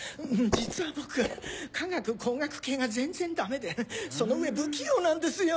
実は僕科学工学系が全然ダメでその上不器用なんですよ。